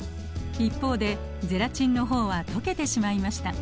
一方でゼラチンの方は溶けてしまいました。